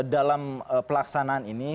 dalam pelaksanaan ini